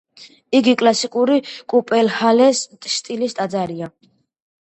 იგი კლასიკური კუპელჰალეს სტილის ტაძარია.